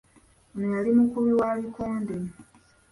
Ono yali mukubi wa bikonde.